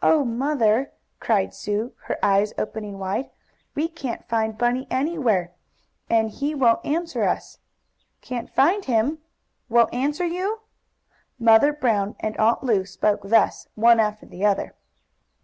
"Oh, Mother!" cried Sue, her eyes opening wide, "we can't find Bunny anywhere, and he won't answer us." "Can't find him!" "Won't answer you!" Mother Brown and Aunt Lu spoke thus, one after the other.